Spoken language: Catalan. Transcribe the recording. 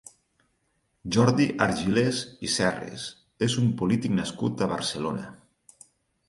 Jordi Argilés i Serres és un polític nascut a Barcelona.